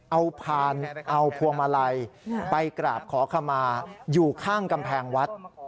เอาพานเอาพวงมาลัยไปกราบขอขมาอยู่ข้างกำแพงวัด